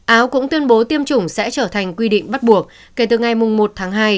áo cũng tuyên bố tiêm chủng sẽ trở thành quy định bắt buộc kể từ ngày một tháng hai